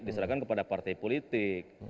diserahkan kepada partai politik